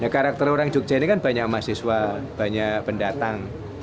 karakter orang jogja ini kan banyak mahasiswa banyak pendatang